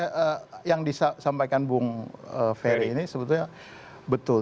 nah yang disampaikan bung ferry ini sebetulnya betul